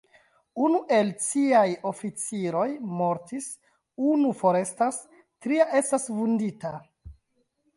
Unu el ciaj oficiroj mortis, unu forestas, tria estas vundita.